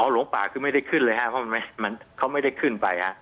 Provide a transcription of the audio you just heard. หลงป่าคือไม่ได้ขึ้นเลยครับเพราะเขาไม่ได้ขึ้นไปฮะ